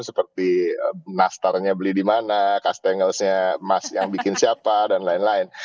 seperti nastarnya beli di mana custongles nya yang bikin siapa dan lain lain